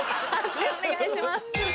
判定お願いします。